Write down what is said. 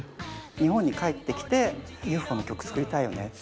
日本に帰ってきてＵＦＯの曲作りたいよねって。